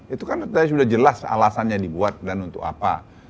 itu kan tadi sudah jelas alasannya dibuat dan untuk apa